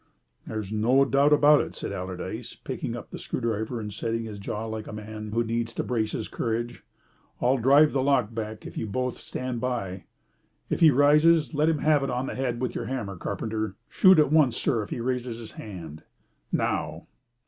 "There's no doubt about it," said Allardyce, picking up the screwdriver and setting his jaw like a man who needs to brace his courage. "I'll drive the lock back if you will both stand by. If he rises let him have it on the head with your hammer, carpenter. Shoot at once, sir, if he raises his hand. Now!"